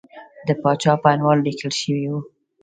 د پاچا په عنوان لیکل شوی وو.